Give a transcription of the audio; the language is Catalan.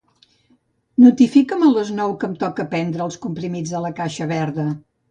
Notifica'm a les nou que em toca prendre els comprimits de la caixa verda.